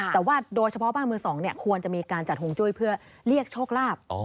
แต่ว่าโดยเฉพาะบ้านมือสองเนี่ยควรจะมีการจัดห่วงจุ้ยเพื่อเรียกโชคลาภ